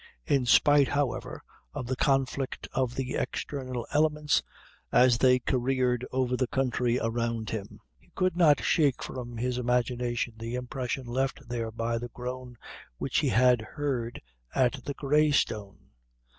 In spite, however, of the conflict of the external elements as they careered over the country around him, he could not shake from his imagination the impression left there by the groan which he had heard at the Grey Stone.